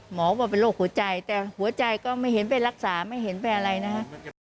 บอกว่าเป็นโรคหัวใจแต่หัวใจก็ไม่เห็นไปรักษาไม่เห็นไปอะไรนะฮะ